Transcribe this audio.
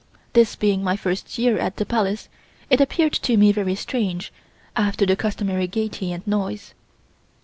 This being my first year at the Palace, it appeared to me very strange, after the customary gaiety and noise.